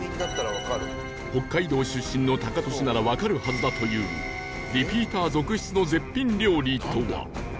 北海道出身のタカトシならわかるはずだというリピーター続出の絶品料理とは？